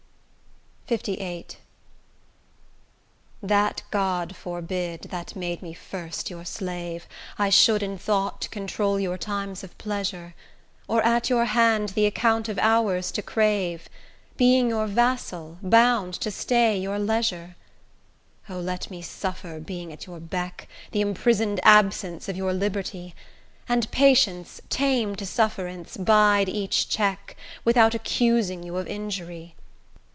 LVIII That god forbid, that made me first your slave, I should in thought control your times of pleasure, Or at your hand the account of hours to crave, Being your vassal, bound to stay your leisure! O! let me suffer, being at your beck, The imprison'd absence of your liberty; And patience, tame to sufferance, bide each check, Without accusing you of injury.